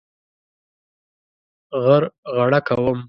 غرغړه کوم.